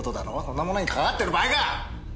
そんなものにかかわってる場合か！